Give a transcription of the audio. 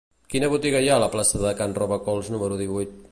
Quina botiga hi ha a la plaça de Can Robacols número divuit?